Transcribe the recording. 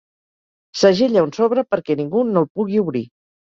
Segella un sobre perquè ningú no el pugui obrir.